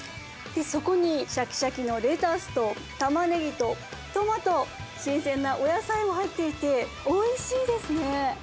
そこにしゃきしゃきのレタスと、タマネギとトマト、新鮮なお野菜も入っていて、おいしいですね。